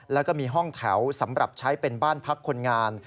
แล้วก็มีห้องแถวสำหรับใช้เป็นบ้านพักคนงาน